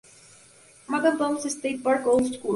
Montauk Downs State Park Golf Course.